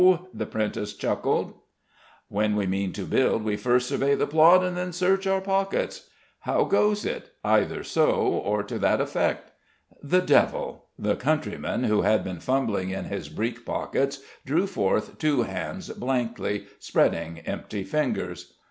The apprentice chuckled. "When we mean to build We first survey the plot, then search our pockets. How goes it? Either so, or to that effect." "The devil!" The countryman, who had been fumbling in his breek pockets, drew forth two hands blankly, spreading empty fingers.